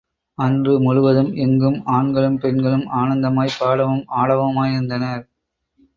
அன்று முழுவதும் எங்கும் ஆண்களும் பெண்களும் ஆனந்தமாய்ப் பாடவும் ஆடவுமாயிருந்தனர்.